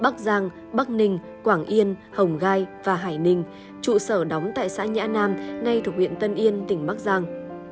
bắc giang bắc ninh quảng yên hồng gai và hải ninh trụ sở đóng tại xã nhã nam nay thuộc huyện tân yên tỉnh bắc giang